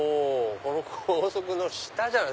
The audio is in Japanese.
高速の下じゃない？